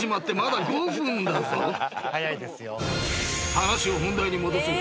［話を本題に戻そう］